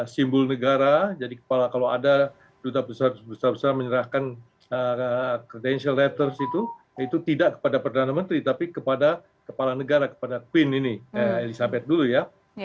simbol negara jadi kepala kalau ada duta besar besar menyerahkan credential letters itu itu tidak kepada perdana menteri tapi kepada kepala negara kepada queen ini elizabeth dulu ya